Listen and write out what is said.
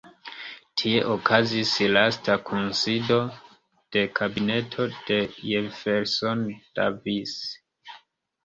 Tie okazis lasta kunsido de kabineto de Jefferson Davis.